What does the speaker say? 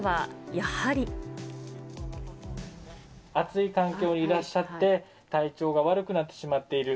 暑い環境にいらっしゃって、体調が悪くなってしまっている。